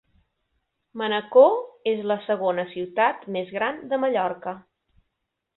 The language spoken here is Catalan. Manacor és la segona ciutat més gran de Mallorca.